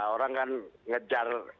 orang kan ngejar